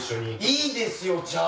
いいですよじゃあ！